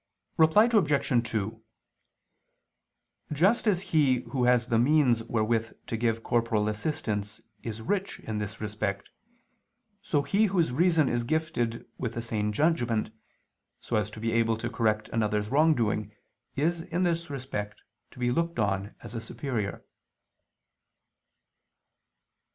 Reply Obj. 2: Just as he who has the means wherewith to give corporal assistance is rich in this respect, so he whose reason is gifted with a sane judgment, so as to be able to correct another's wrong doing, is, in this respect, to be looked on as a superior.